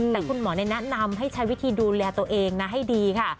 แต่คุณหมอแนะนำให้ใช้วิธีดูแลตัวเองนะให้ดีค่ะ